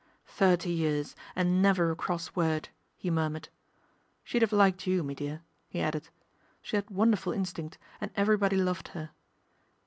"Thirty years and never a cross word," he mur mured. " She'd 'ave liked you, me dear," he added ;" she 'ad wonderful instinct, and every body loved her.